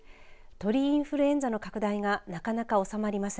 鳥インフルエンザの拡大がなかなか収まりません。